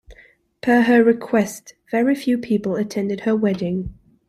Per her request, very few people attended her wedding.